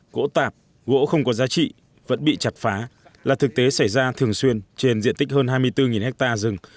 gỗ tạp gỗ không có giá trị vẫn bị chặt phá là thực tế xảy ra thường xuyên trên diện tích hơn hai mươi bốn ha rừng